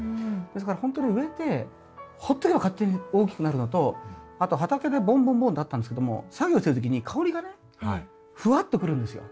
ですからほんとに植えてほっとけば勝手に大きくなるのとあと畑でぼんぼんぼんってあったんですけども作業してる時に香りがねふわっとくるんですよ。